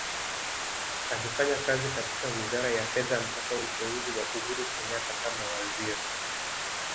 Alifanya kazi katika Wizara ya Fedha mpaka uteuzi wa Uhuru Kenyatta kama Waziri.